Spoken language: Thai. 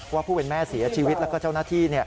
ผู้เป็นแม่เสียชีวิตแล้วก็เจ้าหน้าที่